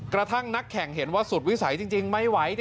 นักแข่งเห็นว่าสุดวิสัยจริงไม่ไหว